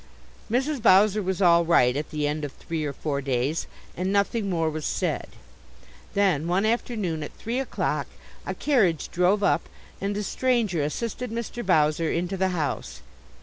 Mrs. Bowser was all right at the end of three or four days, and nothing more was said. Then one afternoon at three o'clock a carriage drove up and a stranger assisted Mr. Bowser into the house.